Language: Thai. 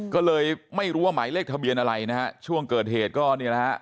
ก็เลยไม่รู้ว่าหมายเลขทะเบียนอะไรนะฮะช่วงเกิดเหตุก็เนี่ยนะฮะ